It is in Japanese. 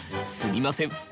すみません